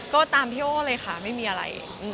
ก็ตามพี่โอ้เลยค่ะไม่มีอะไร